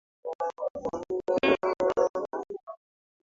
urefu wake ulikuwa futi mia mbili sitini na tisa